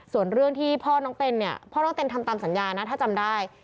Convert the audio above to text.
ส่วนเรื่องที่พ่อน้องเต้นเนี่ยพ่อน้องเต้นทำตามสัญญานะถ้าจำได้